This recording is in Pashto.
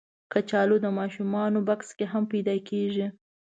کچالو د ماشومانو بکس کې هم پیدا کېږي